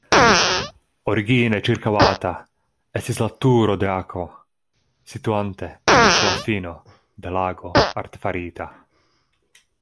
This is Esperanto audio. Origine ĉirkaŭata estis la turo de akvo, situante ĉe la fino de lago artefarita.